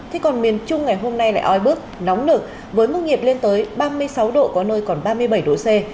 thế còn miền trung ngày hôm nay lại oi bức nóng nực với mức nhiệt lên tới ba mươi sáu độ có nơi còn ba mươi bảy độ c